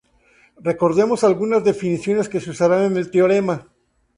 Recordemos algunas definiciones que se usarán en el teorema.